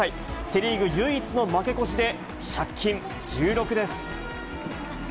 セ・リーグ唯一の負け越しで借金１６です。